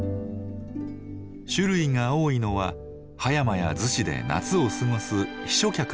種類が多いのは葉山や子で夏を過ごす避暑客の姿。